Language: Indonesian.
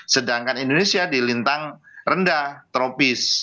sedangkan indonesia di lintang rendah tropis